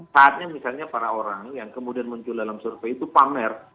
saatnya misalnya para orang yang kemudian muncul dalam survei itu pamer